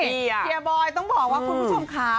เฮียบอยต้องบอกว่าคุณผู้ชมค่ะ